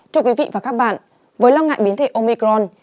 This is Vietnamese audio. thưa quý vị và các bạn với lo ngại biến thể omicron